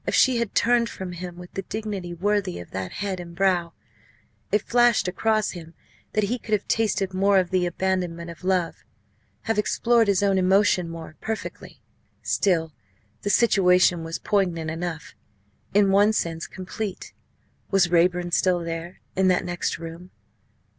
If she had turned from him with the dignity worthy of that head and brow, it flashed across him that he could have tasted more of the abandonment of love have explored his own emotion more perfectly. Still, the situation was poignant enough in one sense complete. Was Raeburn still there in that next room?